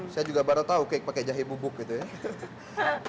saya juga baru tahu kek pakai jahe bubuk gitu ya